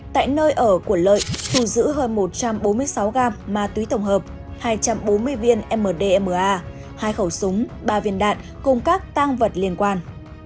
tại nơi ở của lợi thu giữ hơn một trăm bốn mươi sáu gam ma túy tổng hợp hai trăm bốn mươi viên mdma hai khẩu súng ba viên đạn cùng các tăng vật liên quan